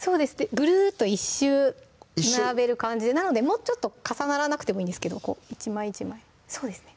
ぐるっと１周並べる感じなのでもうちょっと重ならなくてもいいんですけど１枚１枚そうですね